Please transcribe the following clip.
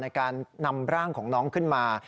ในการนำร่างของน้องขึ้นมา